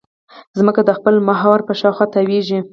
ځمکه د خپل محور په شاوخوا تاوېږي.